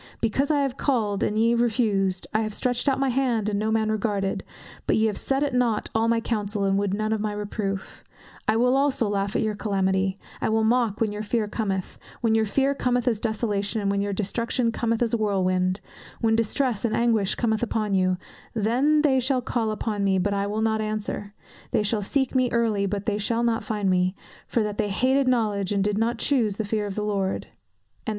"Because I have called, and ye refused; I have stretched out my hand, and no man regarded; but ye have set at nought all my counsel, and would none of my reproof; I also will laugh at your calamity; I will mock when your fear cometh: when your fear cometh as desolation, and your destruction cometh as a whirlwind; when distress and anguish cometh upon you: then shall they call upon me, but I will not answer; they shall seek me early, but they shall not find me: for that they hated knowledge, and did not chuse the fear of the Lord."